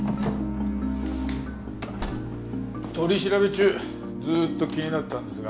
取り調べ中ずっと気になってたんですが。